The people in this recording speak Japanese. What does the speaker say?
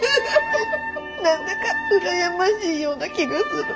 何だか羨ましいような気がする。